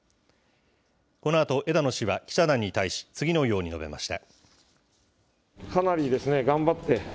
このあと枝野氏は記者団に対し、次のように述べました。